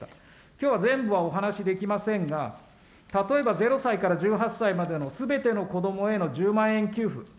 きょうは全部はお話しできませんが、例えば０歳から１８歳までのすべての子どもへの１０万円給付。